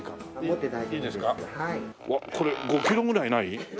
うわっこれ５キロぐらいない？